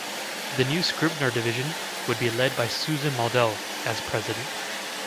The new Scribner division would be led by Susan Moldow as president.